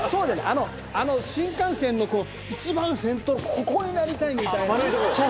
あの新幹線の一番先頭、ここになりたいみたいな。